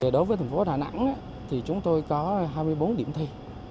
đối với tp đà nẵng chúng tôi có hai mươi bốn điểm thi